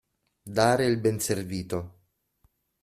Dare il benservito.